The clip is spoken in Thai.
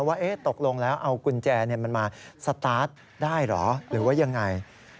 ว่าตกลงแล้วเอากุญแจมันมาสตาร์ทได้เหรอหรือว่ายังไง